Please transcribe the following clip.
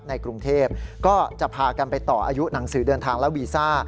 ในกรุงเทพก็จะพากันไปต่ออายุหนังสือเดินทางและวีซ่า